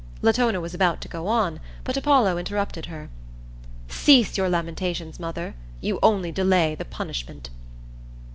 Latona was about to go on, but Apollo interrupted her: "Cease your lamentations, mother; you only delay the punishment."